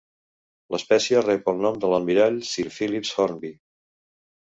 L'espècie rep el nom de l'almirall Sir Phipps Hornby.